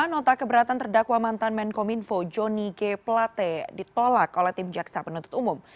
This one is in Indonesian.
nota keberatan terdakwa mantan menkominfo joni g plate ditolak oleh tim jaksa penuntut umum